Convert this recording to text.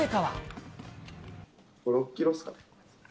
５、６キロっすかね。